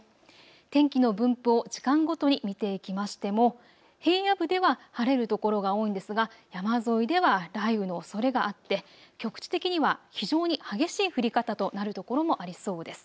天気の分布を時間ごとに見ていきましても平野部では晴れる所が多いんですが山沿いでは雷雨のおそれがあって局地的には非常に激しい降り方となる所もありそうです。